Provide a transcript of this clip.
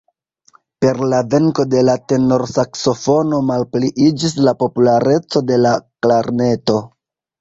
Per la venko de la tenorsaksofono malpliiĝis la populareco de la klarneto.